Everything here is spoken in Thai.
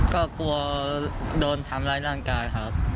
ก็กลัวโดนทำร้ายร่างกายครับ